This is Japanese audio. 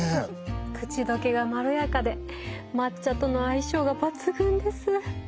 口どけがまろやかで抹茶との相性が抜群です。